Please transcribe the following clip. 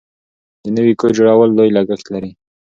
د نوي کور جوړول لوی لګښت لري.